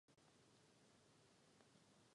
Za to se jej ještě v Marseille pokusil zastřelit.